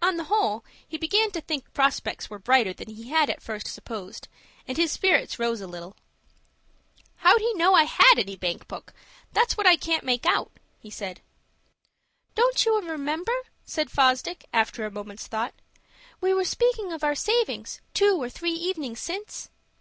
On the whole, he began to think prospects were brighter than he had at first supposed, and his spirits rose a little. "How'd he know I had any bank book? That's what I can't make out," he said. "Don't you remember?" said Fosdick, after a moment's thought, "we were speaking of our savings, two or three evenings since?"